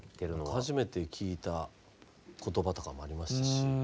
初めて聞いた言葉とかもありましたし。